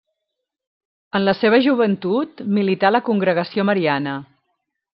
En la seva joventut milità a la Congregació Mariana.